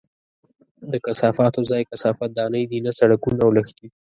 د کثافاتو ځای کثافت دانۍ دي، نه سړکونه او لښتي!